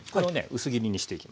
薄切りにしていきます。